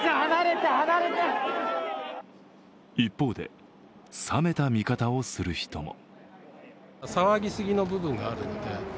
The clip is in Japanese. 一方で、冷めた見方をする人も。